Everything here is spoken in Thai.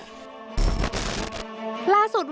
ล่าสุดวันนี้